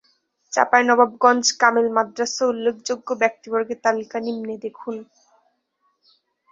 চাঁপাইনবাবগঞ্জ কামিল মাদরাসা উল্লেখযোগ্য ব্যক্তিবর্গের তালিকা নিম্নে দেখুন